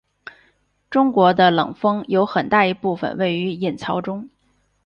中国的冷锋有很大一部分位于隐槽中。